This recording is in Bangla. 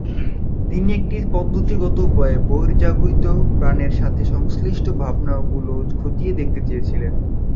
তিনি একটি পদ্ধতিগত উপায়ে বহির্জাগতিক প্রাণের সাথে সংশ্লিষ্ট সম্ভাবনা গুলো খতিয়ে দেখতে চেয়েছিলেন।